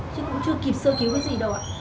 chứ cũng chưa kịp sơ cứu cái gì đâu ạ